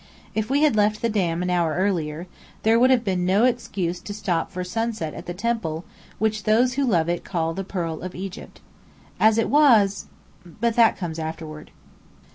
If we had left the Dam an hour earlier, there would have been no excuse to stop for sunset at the temple which those who love it call the "Pearl of Egypt." As it was but that comes afterward.